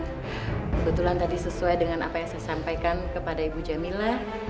kebetulan tadi sesuai dengan apa yang saya sampaikan kepada ibu jamila